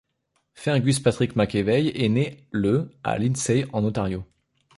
Fergus Patrick McEvay est né le à Lindsay en Ontario.